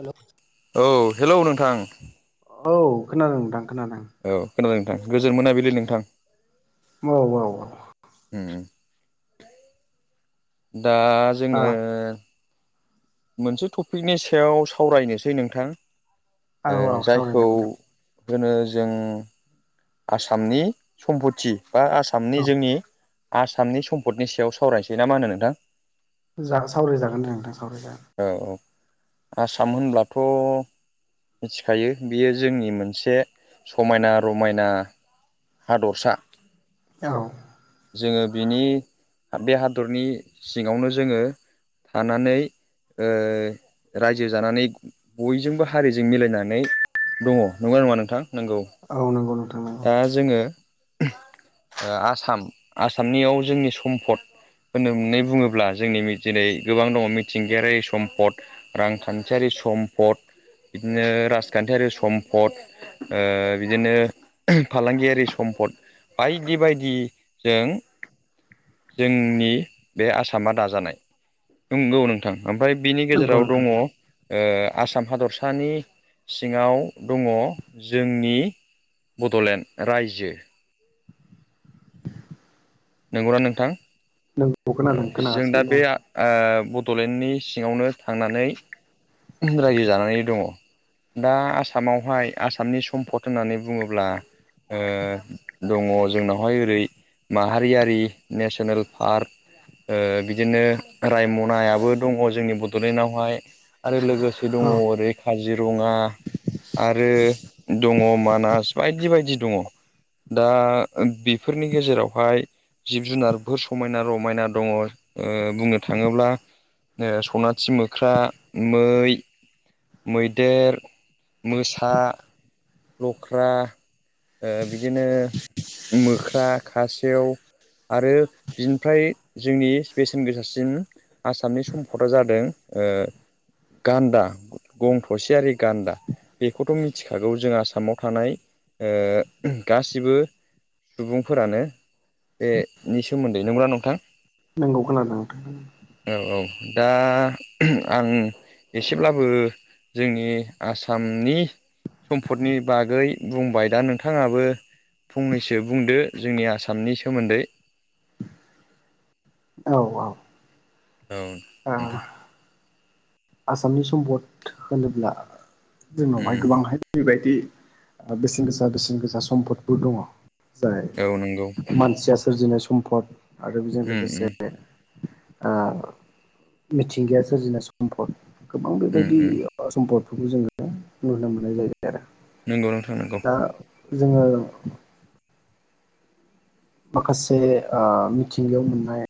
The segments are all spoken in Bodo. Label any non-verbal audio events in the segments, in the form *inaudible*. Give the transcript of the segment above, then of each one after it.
हेल' औ हेलौ नोंथां औ खोनादों नोंथां खोनादों औ खोनादों नोंथां गोजोन मोनाबिलि नोंथां औ औ औ दा औ जोङो मोनसे टपिकनि सायाव सावरायनोसै नोंथां औ औ जायखौ सावरायजागोन दे होनो जों आसामनि सम्फथि बा आसामनि औ जोंनि आसामनि सम्फदनि सायाव सावरायनोसै ना मा होनो नोंथां सावरायजागोन दे नोंथां सावरायजागोन औ औ आसाम होनब्लाथ' मिथिखायो बियो जोंनि मोनसे समायना रमायना हादरसा औ जोङो बिनि बे हादरनि सिङावनो जोङो थानानै ओ रायजो जानानै बयजोंबो हारिजों मिलायनानै दङ नंगौना नङा नोंथां नंगौ औ नंगौ नोंथां नंगौ दा जोङो आसाम आसामनियाव जोंनि सम्फद होननो होननानै बुङोब्ला जोंनि दिनै गोबां दङ मिथिंगायारि सम्पद रांखान्थियारि सम्पद बिदिनो राजखान्थियारि सम्पद बिदिनो फालांगियारि सम पद बायदि बायदि जों जोंनि बे आसामा दाजानाय नंगौ नोंथां ओमफ्राय बिनि नंगौ गेजेराव दङ नोंथां ओ आसाम हादरसानि सिङाव दङ जोंनि बड'लेण्ड रायजो नंगौना नोंथां नोंगौ खोनादों औ जों दा खोनागासिनो बे दं बड'लेण्डनि सिङावनो थांनानै रायजो जानानै दङ। दा आसामावहाय आसामनि सम्पद होननानै बुङोब्ला ओ दङ जोंनावहाय ओरै मा हारियारि नेसनेल पार्क बिदिनो रायमनायाबो दङ जोंनि बडलेण्डआवहाय आरो लोगोसे दङ औ ओरै काजिरङा आरो दङ मानास बायदि बायदि दङ दा बेफोरनि गेजेरावहाय जिब जुनारफोर समायना रमायना दङ बुंनो थाङोब्ला सनाथि मोख्रा मै मैदेर मोसा लख्रा बिदिनो मोख्रा खासेव आरो बिनिफ्राय जोंनि बेसेन गोसासिन आसामनि सम्फदा जादों गान्दा गं थसेयारि गान्दा बेखौथ मिथिखागौ जों आसामाव थानाय गासिबो सुबुंफोरानो बेनि सोमोन्दै नंग्रा नोंथां नांगौ खोनादों नांगौ नोंथां औ औ दा आं एसेब्लाबो जोंनि आसामनि सम्फदनि बागै बुंबाय दा नोंथाङाबो फंनैसो बुंदो जोंनि आसामनि सोमोन्दै औ औ औ नोंथां आसामनि सम्पद होनोब्ला जोंनावहाय उम गोबांहाय जबायदि बेसेन गोसा बेसेन गोसा सम्पदफोर दङ जाय औ नंगौ मानसिया सोरजिनाय सम्फद आरो बेजों उम उम लोगोसे मिथिंगाया सोरजिनो सम्पल गोबां उम बेबायदि उम सम्पदफोरखौ जोङो नुनो मोननाय जायो आरो नंगौ नोंथां नंगौ दा जोङो माखासे मिथिंगायाव मोननाय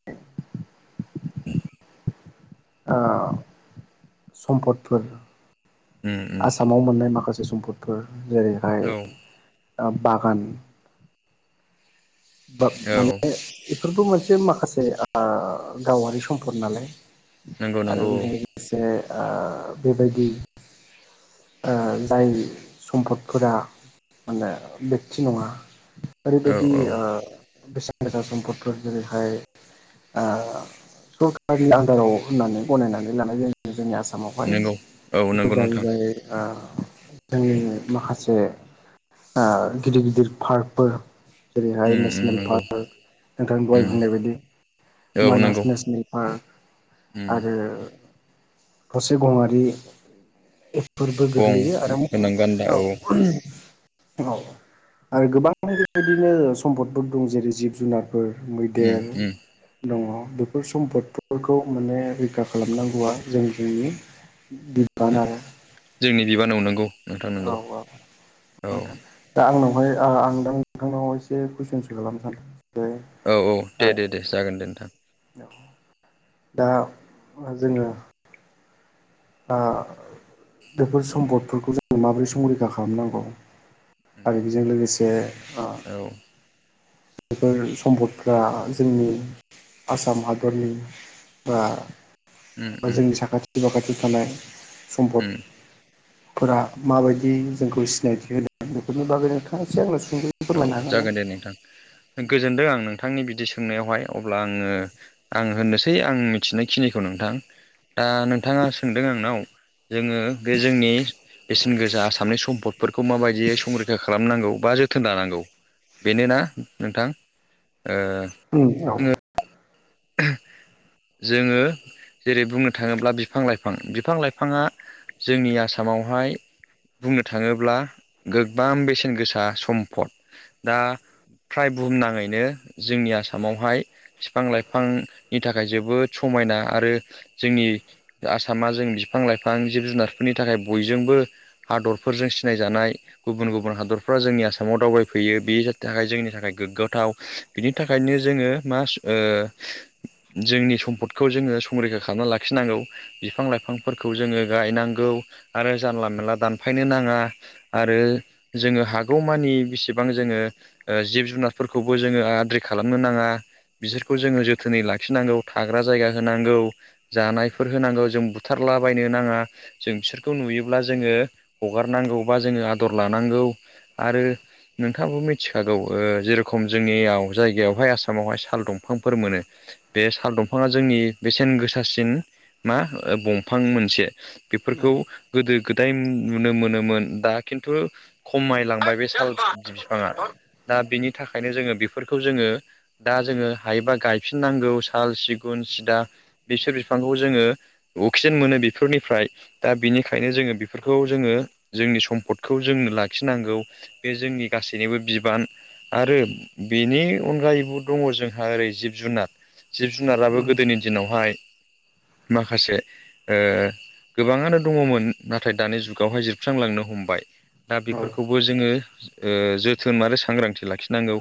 *inaudible* आ समपदफोर उम उम आसामाव मोननाय माखासे सम्पदफोर जेरैहाय औ बागान बा औ माने बेफोरबो मोनसे माखासे गावारि सम्पद नालाय नंगौ आरो नंगौ बेजों लोगोसे बेबायदि जाय सम्पदफोरा माने बेक्ति नङा औ औ ओरैबायदि औ बेसेन गोसा सम्पदफोर जेरैहाय सरकनि आन्दाराव होननानै गनायनानै लानाय जायो जोंनि आसाम आसामावहाय नंगौ औ बेफोर नंगौ नोंथां जाहैबाय जोंनि माखासे गिदिर गिदिर फार्कफोर जेरैहाय उम उम नेसनेल नंगौ पार्क नोंथांनि बहाय उम बुंनाय बायदि औ मानास नंगौ नेसनेल पार्क उम आरो थसे गङारि फोरबो गं गोग्लैयो आरो गोनां गान्दा औ औ आरो गोबां बेबायदिनो सम्पदफोर दं जेरै जिब जुनार फोर उम मैदेर उम दङ बेफोर सम्पदफोरखौ माने रैखा खालामनांगौआ जों जोंनि बिबान आरो जोंनि बिबान नाव नंगौ नोंथां औ नंगौ औ औ नोंथां दा आंनावहाय आं दा नोंथांनाव एसे कुइसन स़ खालामनो सानदों जे औ औ दे दे दे जागोन दे नोंथां दा जोङो बेफोर सम्पदफोरखौ जोङो माबोरै सरैखा खालामनांगौ आरो बेजों लोगोसे औ बेफोर सम्पदफ्रा जोंनि आसाम हादरनि बा उम उम जोंनि साखाथि बाखाथि थानाय उम सम्पद फोर माबायदि जोंखौ सिनायथि होदों बेफोरनि बागै नोंथाङा एसे आंनो सुंद'यै औ फोरमायनो हागोन ना? जागोन दे नोंथां गोजोनदों आं नोंथां नोंथांनि बिदि सोंनायावहाय अब्ला आङो आं होननोसै आं मिथिनायखिनिखौ नोंथां दा नोंथाङा सोंदों आंनाव जोङो बे जोंनि बेसेन गोजा आसामनि सम्पदफोरखौ माबादियै संरैखा खालामनांगौ बा जो थोन लानांगौ बेनो ना नोंथां ओ ओम औ जोङो जेरै बुंनो थाङोब्ला बिफां लाइफां बिफां लाइफाङा जोंनि आसामावहाय बुंनो थाङोब्ला गोबां बेसेन गोसा सम्फद दा फ्राय बुहुमनाङैनो जोंनि आसामावहाय बिफां लाइफांनि थाखाय थाखाय जोबोद समायना आरो जोंनि आसामा जों बिफां लाइफां जिब जुनारफोरनि थाखाय बयजोंबो हादरफोरजों सिनायजानाय गुबुन गुबुन हादरफ्रा जोंनि आसामाव दावबायफैयो बे बे जानि थाखाय जोंनि थाखाय गोग्गाथाव बिनि थाखायनो जोङो मा ओ जोंनि सम्फदखौ जोङो संरैखा खालामना लाखिनांगौ बिफां लाइफांफोरखौ जोङो गायनांगौ आरो जानला मानला दानफायनो नाङा आरो जोङो हागौमानि बेसेबां जों जोङो जिब जुनारफोरखौबो जोङो आद्रि खालामनो नाङा बिसोरखौ जोङो जोथोनै लाखि खिनांगौ थाग्रा जायगा होनांगौ जानायफोर होनांगौ जों बुथारलाबायनो नाङा जों बिसोरखौ नुयोब्ला जोङो हगारनांगौ बा जोङो आदर लानांगौ आरो नोंथां नोंथाङाबो मिथिखागौ जेरेखम जोंनियाव जायगायावहाय आसामावहाय साल दंफांफोर मोनो बे साल दंफाङा जोंनि बेसेन गोसासिन मा दंफां मोनसे औ बेफोरखौ गोदो गोदाय नुनो मोनोमोन दा खिन्थु खमायलांबाय बे साल बिफाङा दा बेनि थाखाय थाखायनो जोङो बेफोरखौ जोङो दा जोङो हायोबा गायफिननांगौ साल सिगुन सिदा बिसोर बिफांखौ जोङो अक्सिजेन मोनो बेफोरनिफ्राय दा बेनिखायनो जोङो बेफोरखौ जोङो जोंनि सम्पदखौ जोंनो लाखिनांगौ बे जोंनि गासैनिबो बिबान आरो बेनि अनगायैबो दङ जोंहा ओरै जिब जुनार जिब जुनाराबो गोदोनि दिनावहाय माखासे ओ गोबाङानो दङमोन नाथाय दानि जुगावहाय जोबस्रांलांनो हमबाय दा बेफोरखौबो जोङो ओ जोथोन आरो सांग्रांथि लाखिनांगौ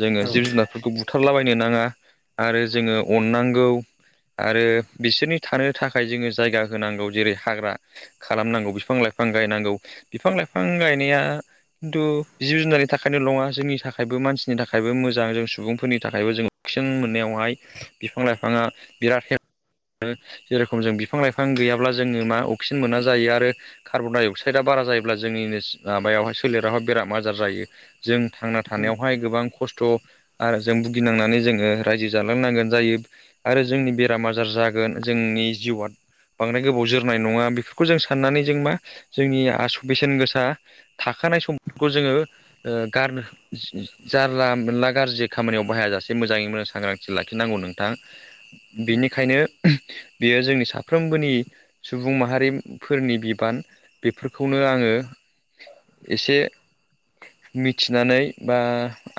जोङो जिब जुनारफोरखौ बुथारलाबायनो नाङा आरो जोङो अननांगौ आरो बिसोरनि थानो थाखाय जोङो जायगा होनांगौ जेरै हाग्रा खालामनांगौ बिफां लाइफां बिफां गायनांगौ बिफां लाइफां गायनाया खिन्थु जिब जुनारनि थाखायल' नङा जोंनि थाखायबो बे मानसिनि थाखायबो मोजां जों सुबुंफोरनि थाखायबो जों अक्सिजन मोननायावहाय बिफां लाइफाङा बिराद हे जेरेखम जों बिफां लाइफां गैयाब्ला जोङो मा अक्सिजेन मोना जायो आरो कार्बन डाइ अक्साइडाआ बार बारा जायोब्ला जोंनिनो माबायावहाय सोलेरावहाय बेराद आजार जायो जों थांना थानायावहाय गोबां खस्थ' आरो जों भुगिनांनानै जोङो रायजो ज थालांनांगोन जायो आरो जोंनि बेराम आजार जागोन जोंनि जिउआ बांद्राय गोबाव जोरनाय नङा बेफोरखौ जों साननानै जों मा जोंनि आस बेसेन गोसा थाखो थाखानाय समफोरखौ जोङो गार जारला मोनला गाज्रि खामानियाव बाहाय जासे मोजाङै मोजां सांग्रांथि लाखिनांगौ नोंथां बेनिखायनो बेयो जोंनि साफ्रोमबोनि सुबुं माहारिफोरनि बिबान बेफोरखौनो आङो एसे मिथिनानै बा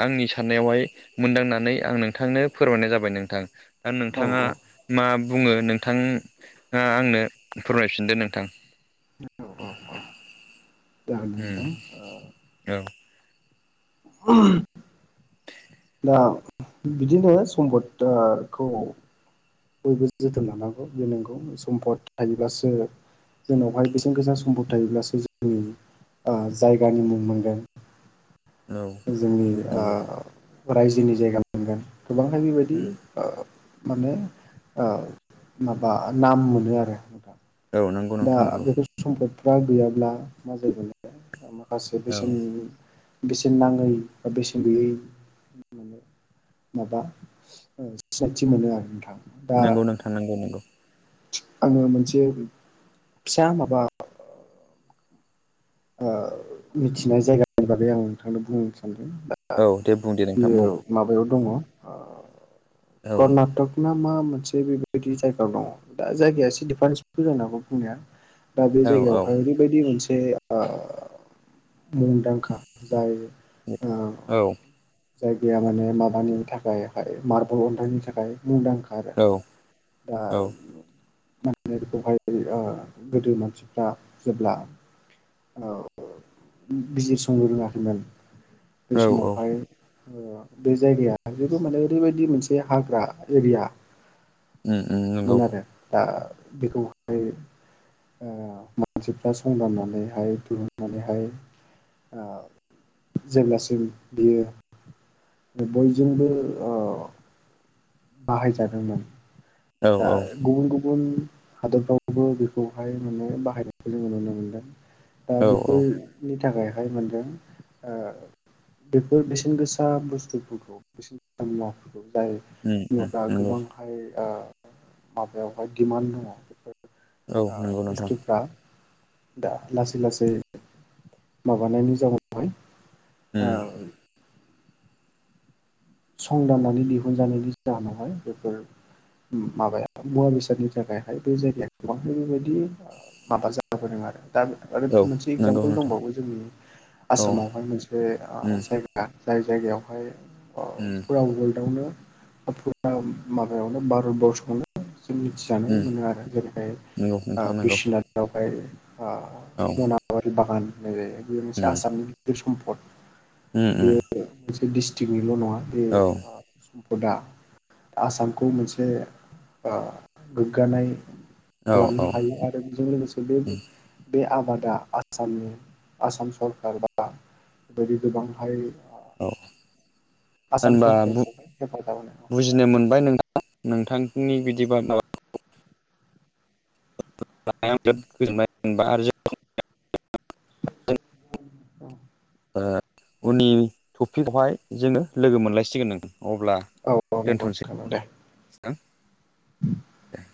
आंनि साननायावहाय मोनदांनानै आं नोंथांनो फोरमायनाय जाबाय नोंथां दा औ नोंथाङा मा बुङो नोंथाङा आंनो फोरमायफिनदो नोंथां *inaudible* दा उम नोंथां ओ औ उम दा बिदिनो सम्पदखौ बयबो जोथोन लानांगौ बे नंगौ सम्पद थायोब्लासो जोंनावहाय बेसेन गोसा सम्फद थायोब्लासो जोंनि ओ जायगानि मुं मोनगोन औ जोंनि ओ नंगौ रायजोनि जायगा मोनगोन गोबांहाय बेबायदि उम ओ माने ओ माबा नाम मोनो आरो औ नंगौ दा नोंथां नंगौ बेफोर सम्फद फ्रा गैयाब्ला मा जागोन माखासे औ बेसेन बेसेन नाङै बा बेसेन गैयै माने माबा सिनायथि मोनो आरो नोंथां दा नंगौ नोंथां नांगौ नंगौ आङो मोनसे फिसा माबा ओ मिथिनाय जायगानि बागै आं नोंथांनो बुंनो सानदों औ दे बुं दे नोंथां बेयो बुं माबायाव ओ औ कर्नाटक ना मा मोनसे बेबायदि जायगा दङ दा जायगाया एसे दिफारेन्सफोर जानो हागौ बुंनाया दा बे औ औ जायगायावहाय ओरैबायदि मोनसे ओ मुंदांखा जाय ओ औ जायगाया माने माबानि थाखाय मार्बल अन्थाइनि थाखाय मुंदांखा आरो दा औ मानोना बेखौहाय गोदो मानसिफ्रा जेब्ला ओ बिजिरसंनो रोङाखैमोन ब औ औ समावहाय ओ बे जायगाया जिथु माने ओरैबायदि मोनसे हाग्रा एरिया उम उम नंगौ मोन आरो दा बेखौहाय ओ मानसिफ्रा संदाननानैहाय दिहुननानैहाय ओ जेब्लासिम बियो बयजोंबो ओ बाहायजादोंमोन औ दा औ गुबुन गुबुन गुबुन हादरफ्रावबो बेखौहाय माने बाहायनायखौ जोङो नुनो मोनदों दा औ औ बेफोरनि थाखायहाय मोनदों ओ बेफोर बेसेन गोसा बुस्थुफोरखौ बेसेन गोसा मुवाफोरखौ जाय उम उम बिवफा नंगौ गोबांहाय माबायावहाय दिडिमान्ड दङ औ बेफोर नंगौ नोंथां बुस्टुफ्रा दा उम लासै लासै माबानायनि जाउनाव ओ उम संदाननानै दिहुनजानायनि जाहोनावहाय बेफोर माबाया मुवा बेसादनि थाखायहाय बे जायगायाव गोबां बेबायदि माबा जाबोदों आरो दा आरो औ मोनसे नंगौ एगजामपोल नोंथां दंबावो जोंनि औ आसामावहाय मोनसे ओ उम जायगा जाय जायगायावहाय ओ उम फुरा वर्रल्डआवनो *unintelligible* जों उम मिथिजानो मोनो आरो जेरैहाय नंगौ नोंथां नंगौ बिसिनाथावहाय ओ औ मनाबारि बागान होननाय बेयो मोनसे उम आसामनि गिदिर सम्फद उम उम बेयो मोनसे डिस्ट्रिक्निल' नङा बे औ ओ दा आसामखौ मोनसे ओ गोग्गानाय औ खालामनो औ हायो आरो बेजों लोगोसे बे उम बे आबादा आसामनि आसाम सरखार बा बेबायदि गोबांहाय औ आसाम होनबा सरखारखौहाय हेफाजाब होनाय बुजिनो मोनबाय नोंथां नोंथांनि बिदि बा बिर गोजोनबाय जेनेबा आरो ज *unintelligible* औ उननि टपिकवहाय जोङो लोगो मोनलायसिगोन नों अब्ला औ औ नंगौ नोंथां दे दोन्थ'सै दे